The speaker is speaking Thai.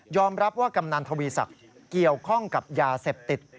รับว่ากำนันทวีศักดิ์เกี่ยวข้องกับยาเสพติด